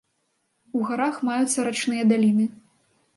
У гарах маюцца рачныя даліны.